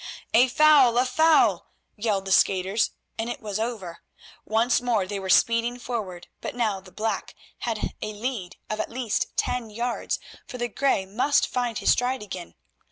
"A foul, a foul!" yelled the skaters, and it was over. Once more they were speeding forward, but now the black had a lead of at least ten yards, for the grey must find his stride again.